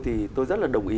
thì tôi rất là đồng ý